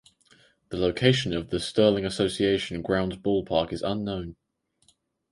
The location of the Sterling Association Grounds ballpark is unknown.